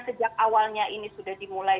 sejak awalnya ini sudah dimulai